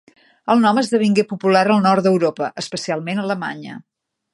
El nom esdevingué popular al nord d'Europa, especialment a Alemanya.